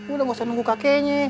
udah gak usah nunggu kakeknya